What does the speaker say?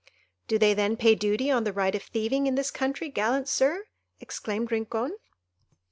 "Do they then pay duty on the right of thieving in this country, gallant Sir?" exclaimed Rincon.